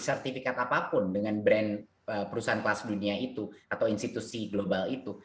sertifikat apapun dengan brand perusahaan kelas dunia itu atau institusi global itu